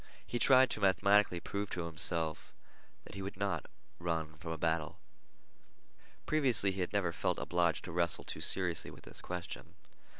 He tried to mathematically prove to himself that he would not run from a battle. Previously he had never felt obliged to wrestle too seriously with this question.